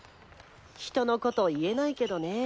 人のこと言えないけどね。